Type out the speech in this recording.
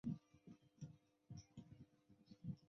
对该反应的机理有很多研究。